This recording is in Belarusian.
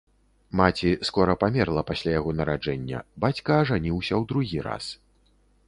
Маці скора памерла пасля яго нараджэння, бацька ажаніўся ў другі раз.